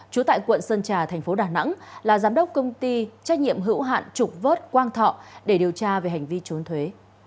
trú tại quận sơn trà thành phố đà nẵng là giám đốc công ty trách nhiệm hữu hạn trục vớt quang thọ để điều tra về hành vi trốn thuế